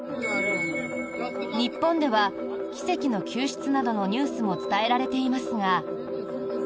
日本では奇跡の救出などのニュースも伝えられていますが。